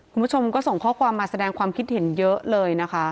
คุณผู้ชมก็ส่งข้อความมาแสดงความคิดเห็นเยอะเลยนะคะ